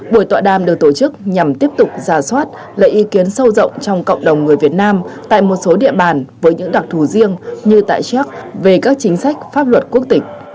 buổi tọa đàm được tổ chức nhằm tiếp tục giả soát lấy ý kiến sâu rộng trong cộng đồng người việt nam tại một số địa bàn với những đặc thù riêng như tại chép về các chính sách pháp luật quốc tịch